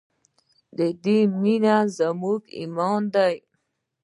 د دې مینه زموږ ایمان دی